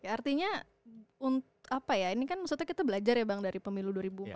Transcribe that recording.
artinya apa ya ini kan maksudnya kita belajar ya bang dari pemilu dua ribu empat belas